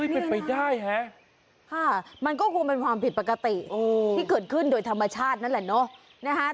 เป็นไปได้ฮะค่ะมันก็คงเป็นความผิดปกติที่เกิดขึ้นโดยธรรมชาตินั่นแหละเนอะ